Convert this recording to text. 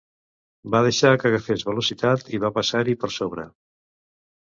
Va deixar que agafés velocitat i va passar-hi per sobre.